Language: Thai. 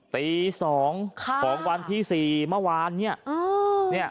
ตี๒ของวันที่๔เมื่อวานเนี่ย